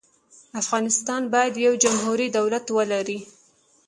افغانستان باید یو جمهوري دولت ولري.